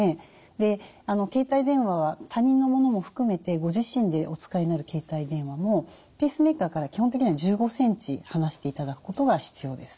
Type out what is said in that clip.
携帯電話は他人のものも含めてご自身でお使いになる携帯電話もペースメーカーから基本的には１５ｃｍ離していただくことが必要です。